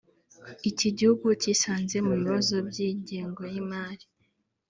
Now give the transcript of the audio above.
iki gihugu cyisanze mu bibazo by’ingengo y’imari